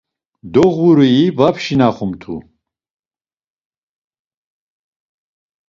Doğurui va pşinaxumtu.